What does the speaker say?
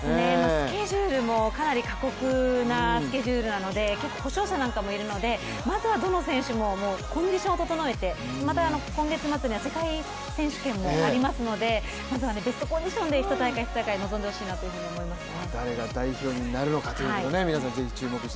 スケジュールもかなり過酷なスケジュールなので結構、故障者なんかもいるのでまずはどの選手もコンディションを整えて、また今月末には世界選手権もありますのでまずはベストコンディションでひと大会ひと大会臨んでほしいですね。